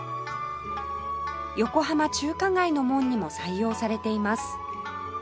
横浜中華街の門にも採用されています